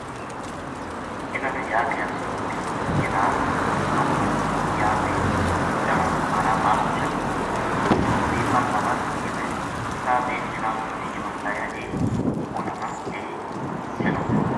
اِنھا ں نے جا کے افسر نے کہیو جناب ہم نا جان دے تنہاں مھارا بال بچا کو کوئی پتو نیہہ ویہ پل ما غرق ہو گیا وھے گا صاحب نے اِنھ کے نال فوجی جوان لایا جے اِنھاں نا لے چلوں